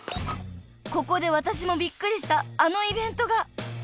［ここで私もびっくりしたあのイベントが］